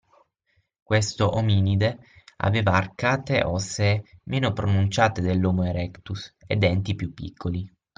Questo ominide aveva arcate ossee meno pronunciate dell'Homo Erectus e denti più piccoli.